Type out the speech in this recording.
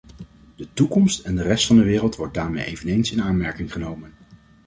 De toekomst en de rest van de wereld wordt daarmee eveneens in aanmerking genomen.